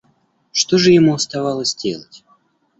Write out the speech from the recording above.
Что же ему оставалось делать?